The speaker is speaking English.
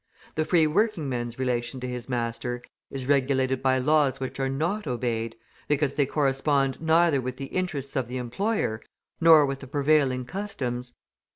The free working man's relation to his master is regulated by laws which are not obeyed, because they correspond neither with the interests of the employer nor with the prevailing customs.